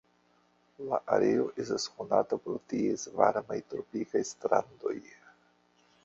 La areo estas konata pro ties varmaj tropikaj strandoj.